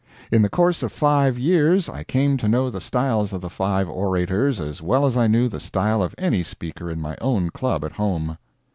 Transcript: In the course of five years I came to know the styles of the five orators as well as I knew the style of any speaker in my own club at home.